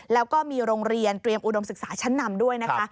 แล้วก็มีโรงเรียนเตรียมอุดมศึกษาชั้นนำด้วยนะคะ